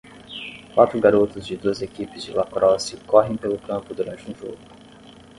Quatro garotos de duas equipes de lacrosse correm pelo campo durante um jogo.